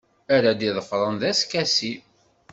Ara d-iḍefren d askasi.